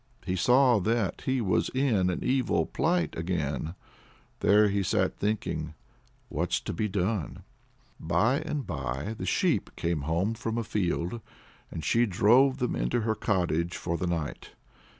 He saw that he was in an evil plight again. There he sat, thinking, "What's to be done?" By and by the sheep came home from afield, and she drove them into her cottage for the night.